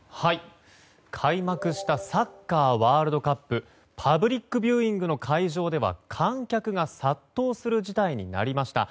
開幕したサッカーワールドカップパブリックビューイングの会場では観客が殺到する事態になりました。